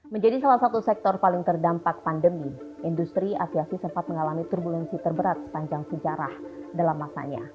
menjadi salah satu sektor paling terdampak pandemi industri aviasi sempat mengalami turbulensi terberat sepanjang sejarah dalam masanya